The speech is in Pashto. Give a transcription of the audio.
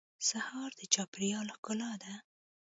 سهار د چاپېریال ښکلا ده.